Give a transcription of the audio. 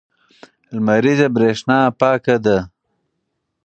لمریزه برېښنا پاکه ده.